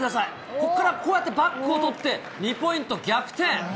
ここからこうやってバックを取って、２ポイント逆転。